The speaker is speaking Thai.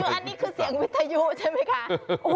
คืออันนี้คือเสียงวิทยุใช่ไหมคะ